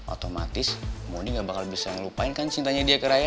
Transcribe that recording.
otomatis modi nggak bakal bisa ngelupain kan cintanya dia ke raya